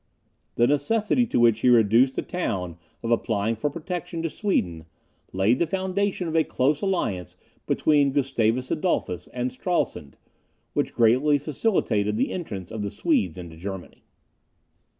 The necessity to which he reduced the town of applying for protection to Sweden, laid the foundation of a close alliance between Gustavus Adolphus and Stralsund, which greatly facilitated the entrance of the Swedes into Germany.